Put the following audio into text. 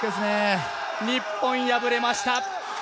日本、敗れました。